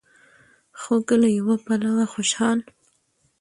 خو که له يوه پلوه خوشال